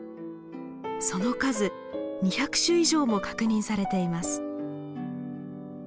その数２００種以上も確認されています。